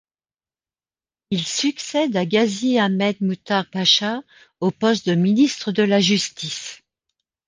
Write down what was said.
Il succède à Gazi Ahmed Muhtar Pasha au poste de ministre de la Justice.